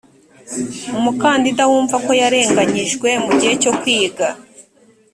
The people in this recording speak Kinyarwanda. umukandida wumva ko yarenganyijwe mu gihe cyo kwiga